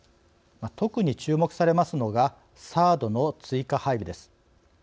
特に注目されますのがＴＨＡＡＤの追加配備です。